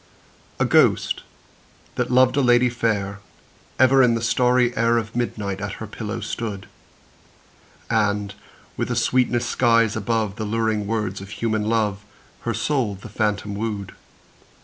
A ghost, that loved a lady fair, Ever in the starry air Of midnight at her pillow stood; And, with a sweetness skies above The luring words of human love, Her soul the phantom wooed.